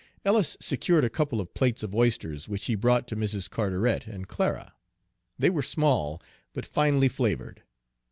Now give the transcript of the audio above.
Ellis secured a couple of plates of oysters, which he brought to Mrs. Carteret and Clara; they were small, but finely flavored.